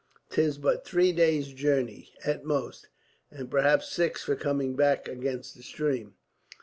"'Tis but three days' journey, at most, and perhaps six for coming back against the stream."